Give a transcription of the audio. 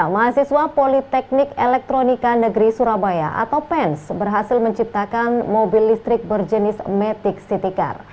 mahasiswa politeknik elektronika negeri surabaya atau pens berhasil menciptakan mobil listrik berjenis matic city car